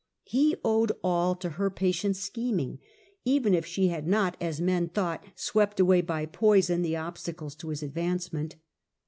He owed all to her patient scheming, even if she had not, as men thought, swept away by poison the obstacles to his advancement.